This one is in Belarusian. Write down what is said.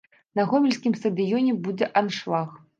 На гомельскім стадыёне будзе аншлаг.